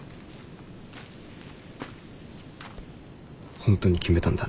本当に決めたんだな。